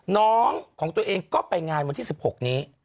น้องของตัวเองก็ไปงานวันที่๑๖นี้